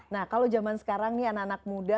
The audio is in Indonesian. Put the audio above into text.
nah kalau zaman sekarang nih anak anak muda